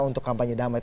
untuk kampanye damai